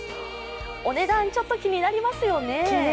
お値段、ちょっと気になりますよね